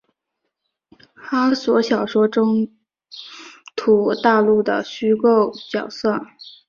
哈索小说中土大陆的虚构角色。